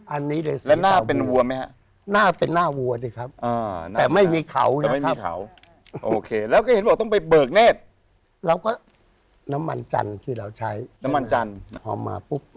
อันนี้เลยสีตาววัวนะครับนะครับ